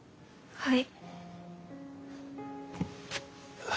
はい。